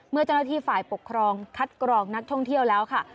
เมื่อเจ้าหน้าที่ฝ่ายปกครองคัดกรองนักท่องเที่ยวแล้วค่ะ